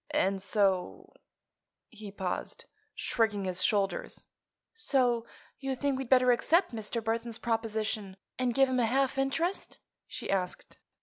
And so—" He paused, shrugging his shoulders. "So you think we'd better accept Mr. Burthon's proposition and give him a half interest?" she asked.